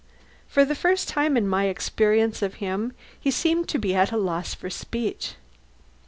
For the first time in my experience of him he seemed to be at a loss for speech.